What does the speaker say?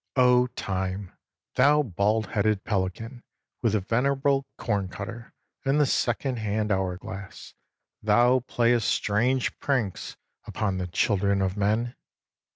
Oh, time! thou baldheaded pelican with the venerable corncutter and the second hand hour glass, thou playest strange pranks upon the children of men.